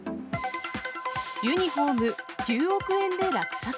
ユニホーム９億円で落札？